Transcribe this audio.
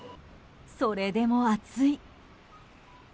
それでも暑い。